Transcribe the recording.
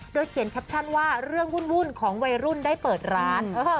เขียนแคปชั่นว่าเรื่องวุ่นของวัยรุ่นได้เปิดร้าน